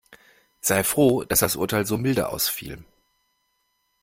Sei froh, dass das Urteil so milde ausfiel.